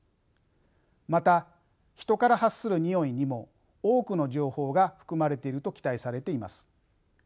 また人から発するにおいにも多くの情報が含まれていると期待されています。